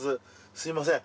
すみません